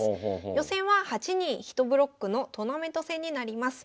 予選は８人１ブロックのトーナメント戦になります。